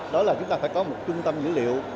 đó là chúng ta phải có một trung tâm dữ liệu